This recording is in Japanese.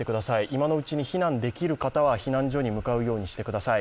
今のうちに避難できる方は避難所に向かうようにしてください。